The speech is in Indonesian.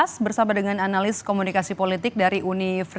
selamat sore mbak maidah